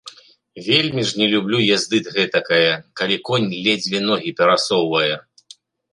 Вельмі ж не люблю язды гэтакае, калі конь ледзьве ногі перасоўвае.